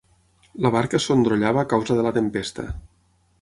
La barca sondrollava a causa de la tempesta.